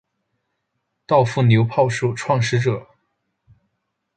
稻富流炮术创始者。